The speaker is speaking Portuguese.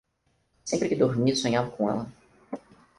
Sempre que dormia, sonhava com ela